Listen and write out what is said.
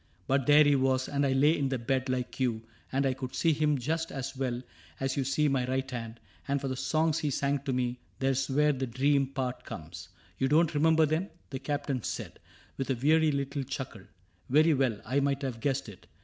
But there he was, and I lay in the bed Like you ; and I could see him just as well As you see my right hand. And for the songs He sang to me — there's where the dream part comes." " You don't remember them ?" the Captain said, With a weary little chuckle ;'' very well, I might have guessed it.